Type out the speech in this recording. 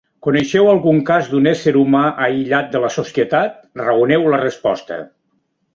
Coneixeu algun cas d'un ésser humà aïllat de la societat? Raoneu la resposta.